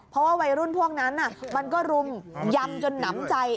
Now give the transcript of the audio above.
เพราะว่าวัยรุ่นพวกนั้นมันก็รุมยำจนหนำใจ